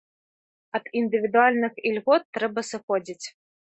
Ад індывідуальных ільгот трэба сыходзіць.